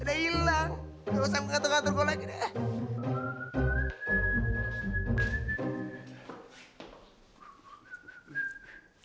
udah usah mengatur ngatur kau lagi deh